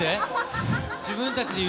自分たちで？